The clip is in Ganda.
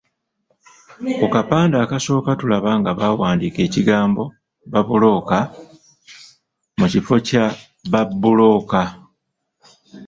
Ku kapande akasooka tulaba nga baawandiika ekigambo ‘Babuloka’ mu kifo kya ‘Ba bbulooka.’